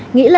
nghĩ là làm